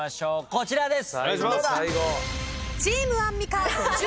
こちらです。